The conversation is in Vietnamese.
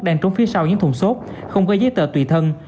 đang trốn phía sau những thùng xốp không có giấy tờ tùy thân